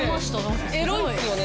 エロいっすよね